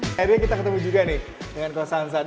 akhirnya kita ketemu juga nih dengan kosan